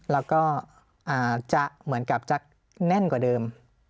แล้วก็จะเหมือนกับจะแน่นกว่าเดิม